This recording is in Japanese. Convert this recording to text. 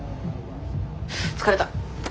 疲れた。